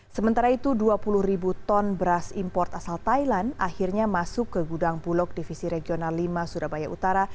sementara itu dua puluh ribu ton beras import asal thailand akhirnya masuk ke gudang bulog divisi regional lima surabaya utara